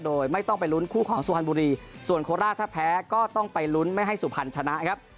โดยไม่ต้องไปลุ้นคู่ของสุพรรณบุรีส่วนโคราชถ้าแพ้ก็ต้องไปลุ้นไม่ให้สุพรรณชนะครับ